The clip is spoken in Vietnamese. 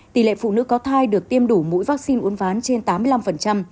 tỉ lệ phụ nữ có thai được tiêm đủ mũi vắc xin uốn ván trên tám mươi năm